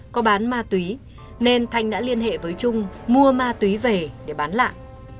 có bán ma túy nên thanh đã liên hệ với trung mua ma túy về để bán lại